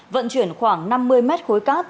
vận chuyển khoảng năm mươi m khối cát